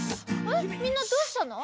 えっみんなどうしたの？